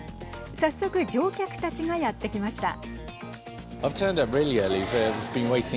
早速、乗客たちがやってきました。